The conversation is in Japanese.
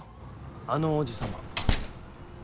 あの王子様。